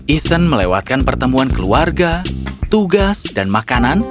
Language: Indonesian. ethan melewatkan pertemuan keluarga tugas dan makanan